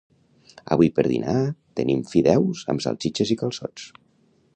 Avui per dinar tenim fideus amb salsitxes i calçots